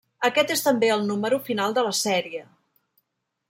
Aquest és també el número final de la sèrie.